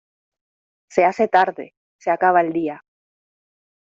Se hace tarde, se acaba el día.